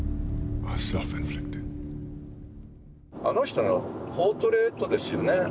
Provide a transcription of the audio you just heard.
あの人のポートレートですよね。